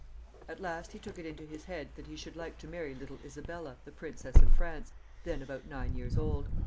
At last he took it into his head that he should like to marry little Isabella, the Princess of France, then about nine years old.